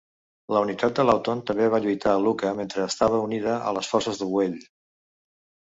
La unitat de Lawton també va lluitar a Iuka mentre estava unida a les forces de Buell.